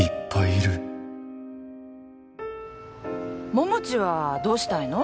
桃地はどうしたいの？